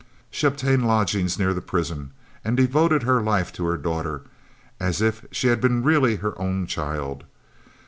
She obtained lodgings near the prison and devoted her life to her daughter, as if she had been really her own child.